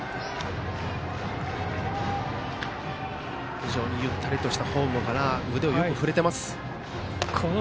非常にゆったりとしたフォームから腕をよく振れています。